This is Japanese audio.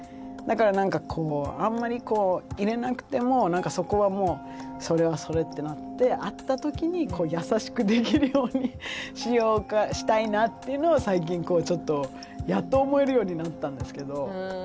だから何かこうあんまりいれなくてもそこは「それはそれ」ってなって会った時に優しくできるようにしたいなっていうのを最近ちょっとやっと思えるようになったんですけど。